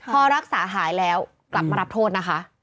พอรักษาหายแล้วกลับมารับโทษนะคะ